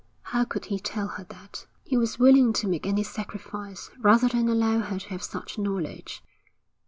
How could he tell her that? He was willing to make any sacrifice rather than allow her to have such knowledge.